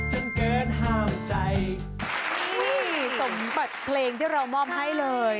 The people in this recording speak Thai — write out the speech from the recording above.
เฮ้ยสมบัติเพลงที่เรามอบให้เลย